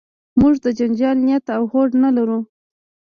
موږ د جنجال نیت او هوډ نه لرو.